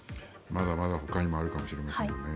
まだまだほかにもあるかもしれませんね。